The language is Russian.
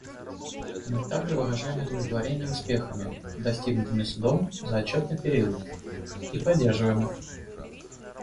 Мы также выражаем удовлетворение успехами, достигнутыми Судом за отчетный период, и поддерживаем их.